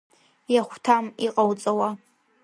Иахәҭам иҟауҵауа.